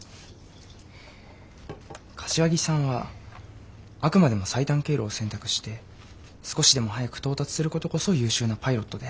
柏木さんはあくまでも最短経路を選択して少しでも早く到達することこそ優秀なパイロットである。